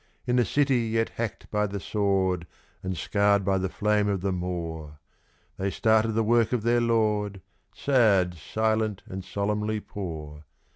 In a city yet hacked by the sword and scarred by the flame of the Moor, They started the work of their Lord, sad, silent, and solemnly poor.